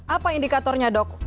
apa indikatornya dok